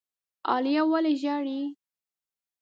عالیه ولي ژاړي؟